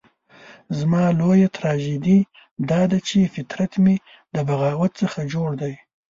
زما لويه تراژیدي داده چې فطرت مې د بغاوت څخه جوړ دی.